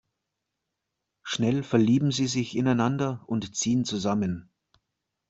Schnell verlieben sie sich ineinander und ziehen zusammen.